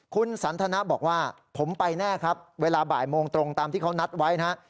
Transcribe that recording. คุณสันทนะบอกว่าผมไปแน่ครับเวลาบ่ายโมงตรงตามที่เขานัดไว้นะฮะ